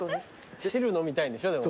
汁飲みたいんでしょでも。